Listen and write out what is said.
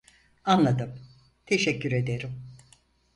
Anladım, teşekkür ederim